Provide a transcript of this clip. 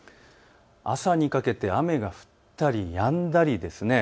朝にかけて雨が降ったりやんだりです。